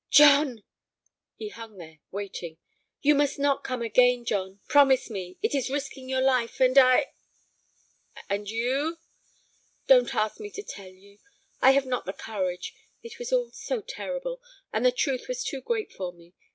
"John!" He hung there, waiting. "You must not come again, John. Promise me; it is risking your life, and I—" "And you?" "Don't ask me to tell you; I have not the courage; it was all so terrible, and the truth was too great for me.